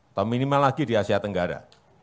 atau minimal lagi di asia tenggara